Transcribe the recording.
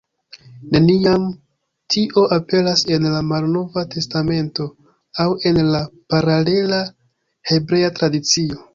Neniam tio aperas en la Malnova Testamento aŭ en la paralela hebrea tradicio.